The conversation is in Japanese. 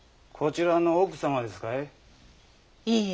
こちらの奥様ですかい？